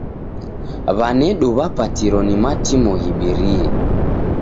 W'anedu w'apatiro ni matimo ghibirie.